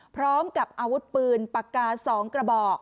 พร้อมกับอาวุธปืนปากกา๒กระบอก